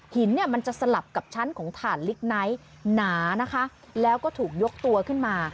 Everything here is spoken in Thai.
หินจะสลับกับชั้นของถ่านลิกไนท์หนาแล้วก็ถูกยกตัวขึ้นมา